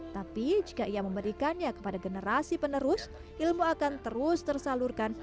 tapi jika ia memberikannya kepada generasi penerus ilmu akan terus tersalurkan